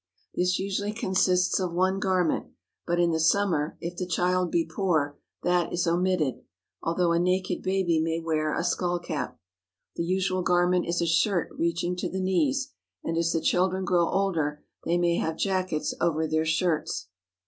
This usually consists of one garment, but in the summer, if the child be poor, that is omitted, although a naked baby may wear a skull cap. The usual garment is a shirt reaching to the knees, and as the chil dren grow older they may have jackets over their shirts.